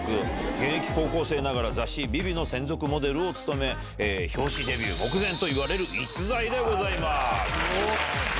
現役高校生ながら雑誌、ＶｉＶｉの専属モデルを務め、表紙デビュー目前といわれる逸材でございます。